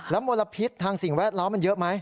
มลพิษทางสิ่งแวดล้อมมันเยอะไหม